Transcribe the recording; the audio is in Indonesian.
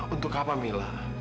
untuk apa mila